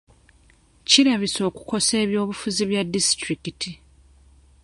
Kirabisse okukosa eby'obufuzi bya disitulikiti.